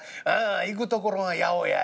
行くところが八百屋や。